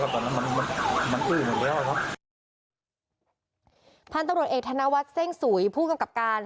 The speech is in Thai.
พ่อตรวจเอธานาวทสิ้งสุยผู้กรรมการ